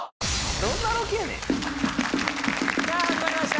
どんなロケやねんさあ始まりました